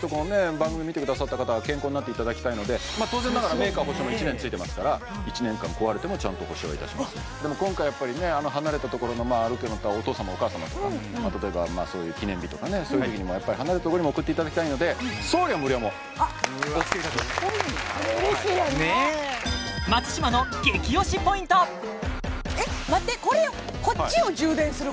番組見てくださった方は健康になっていただきたいので当然ながらメーカー保証も１年ついてますから１年間壊れてもちゃんと保証はいたしますでも今回やっぱりね離れた所のまあお父様お母様とか例えばそういう記念日とかねそういう時にも離れたとこにも送っていただきたいのでもおつけいたしますすごいなねえそれ嬉しいよねえっ待ってこれをこっちを充電する方？